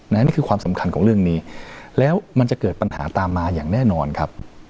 นี่คือความสำคัญของเรื่องนี้แล้วมันจะเกิดปัญหาตามมาอย่างแน่นอนครับ